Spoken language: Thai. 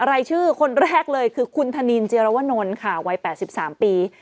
รายชื่อคนแรกเลยคือคุณธนินเจียรวนลค่ะวัย๘๓ปี